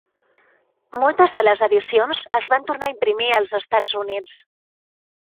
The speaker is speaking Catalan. Moltes de les edicions es van tornar a imprimir als Estats Units.